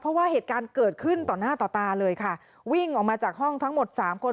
เพราะว่าเหตุการณ์เกิดขึ้นต่อหน้าต่อตาเลยค่ะวิ่งออกมาจากห้องทั้งหมดสามคน